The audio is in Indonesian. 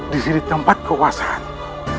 disini tempat keuasaanku